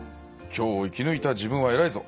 「今日を生き抜いた自分は偉いぞ。